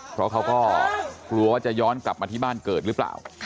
เพราะเขาก็กลัวว่าจะย้อนกลับมาที่บ้านเกิดหรือเปล่า